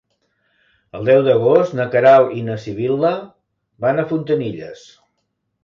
El deu d'agost na Queralt i na Sibil·la van a Fontanilles.